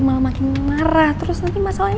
malah makin marah terus nanti masalahnya